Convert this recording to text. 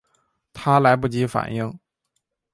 她来不及反应